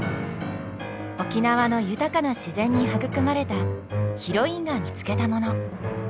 沖縄の豊かな自然に育まれたヒロインが見つけたもの。